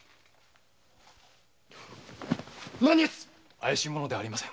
怪しい者ではありません。